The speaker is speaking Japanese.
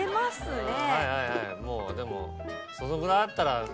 もうでもそのぐらいあったら。